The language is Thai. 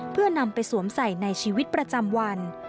เพื่อนำไปสวมใส่ในชีวิตประจำวัน